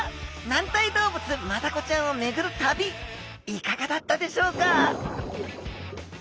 軟体動物マダコちゃんをめぐる旅いかがだったでしょうか？